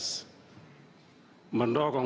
sebab ada dua lima ratus orang arab